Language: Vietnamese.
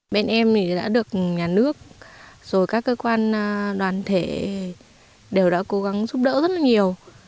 bên em đã được nhà nước các cơ quan đoàn thể đều đã cố gắng giúp đỡ rất nhiều